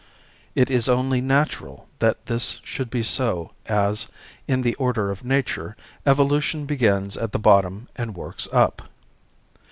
It is only natural that this should be so as, in the order of nature, evolution begins at the bottom and works up.